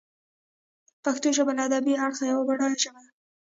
پښتو ژبه له ادبي اړخه یوه بډایه ژبه ده.